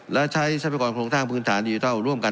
และใช้ทรัพยากรโครงสร้างพื้นฐานดิจิทัลร่วมกัน